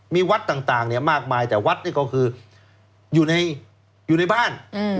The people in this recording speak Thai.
มีวัดต่างมากมายแต่วัดนี่ก็คืออยู่ในบ้าน